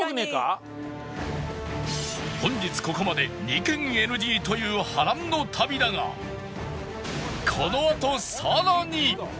本日ここまで２軒 ＮＧ という波乱の旅だがこのあと更に